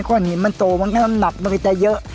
ก้อนหินมันโตมันก็น้ำหนักมันก็จะเยอะ